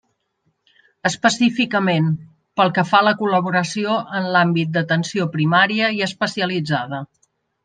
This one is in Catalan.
Específicament, pel que fa a la col·laboració en l'àmbit d'atenció primària i especialitzada.